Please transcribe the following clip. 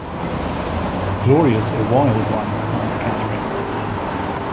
Gloria's a wild one, Aunt Catherine.